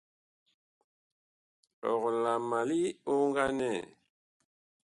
Ɔg la ma li oŋganɛ?